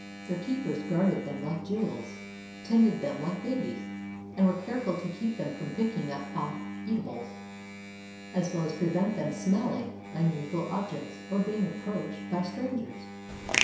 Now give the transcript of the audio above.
Their keepers guarded them like jewels, tended them like babies, and were careful to keep them from picking up odd eatables, as well as prevent them smelling unusual objects or being approached by strangers.